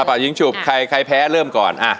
ป่ายิงฉุบใครแพ้เริ่มก่อน